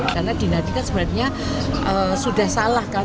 karena di narinda kan sebenarnya sudah salah kan